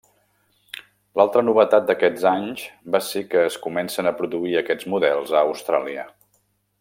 L'altra novetat d'aquests anys va ser que es comencen a produir aquests models a Austràlia.